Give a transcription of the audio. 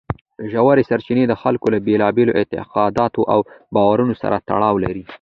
ژورې سرچینې د خلکو له بېلابېلو اعتقاداتو او باورونو سره تړاو لري.